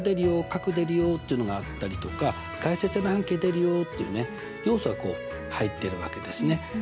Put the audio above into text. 角出るよっていうのがあったりとか外接円の半径出るよっていうね要素がこう入っているわけですね。